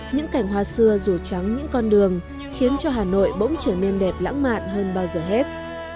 những cảnh hoa xưa rùa trắng những con đường khiến cho hà nội bỗng trở nên đẹp lãng mạn hơn bao giờ hết